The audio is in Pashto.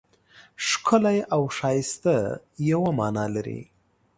ښکلی او ښایسته یوه مانا لري.